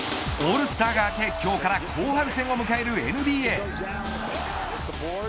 オールスターが明け今日から後半戦を迎えるＮＢＡ。